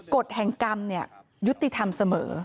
กฎแห่งกรรมยุติธรรมเสมอ